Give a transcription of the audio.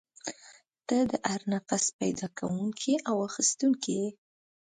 ته د هر نفس پیدا کوونکی او اخیستونکی یې.